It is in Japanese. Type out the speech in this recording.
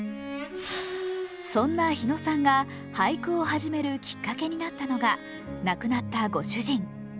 そんな日野さんが俳句を始めるきっかけになったのが亡くなったご主人。